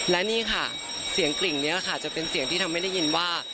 และนี่ค่ะเสียงกลิ่งนี้ค่ะจะเป็นเสียงที่ทำให้ได้ยินว่า